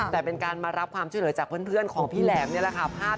แต่เป็นการมารับความช่วยเหลือจากเพื่อนของพี่แหลมนี่แหละค่ะ